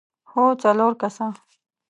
هو، څلور کسه!